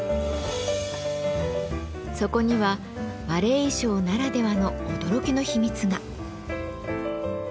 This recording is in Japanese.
そこにはバレエ衣装ならではの驚きの秘密が。